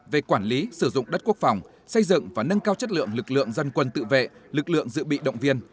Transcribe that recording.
về quản lý sử dụng đất quốc phòng xây dựng và nâng cao chất lượng lực lượng dân quân tự vệ lực lượng dự bị động viên